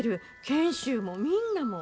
賢秀もみんなも。